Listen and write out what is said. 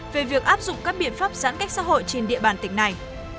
về việc áp dụng các biện pháp giãn cách xã hội trên địa bàn tỉnh này